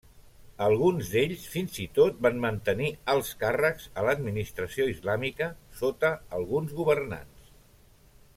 Alguns d'ells fins i tot van mantenir alts càrrecs a l'administració islàmica sota alguns governants.